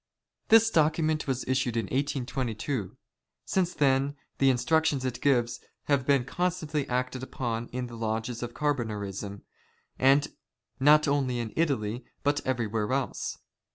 This document was issued in 1822. Since then, the instruc tions it gives have been constantly acted upon in the lodges of Carbonarisra, not only in Italy but everywhere else.